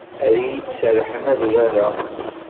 Ad iyi-d-serḥen ad urareɣ.